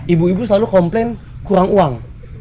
ibu ibu selalu komplain kurang uang